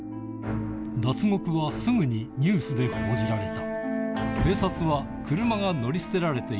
脱獄はすぐにニュースで報じられた